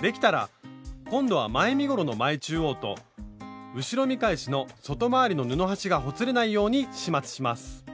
できたら今度は前身ごろの前中央と後ろ見返しの外回りの布端がほつれないように始末します。